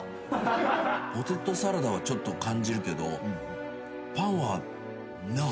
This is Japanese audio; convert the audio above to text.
ポテトサラダはちょっと感じるけどパンはなあ。